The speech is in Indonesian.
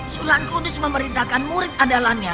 sunan kudus memerintahkan murid andalannya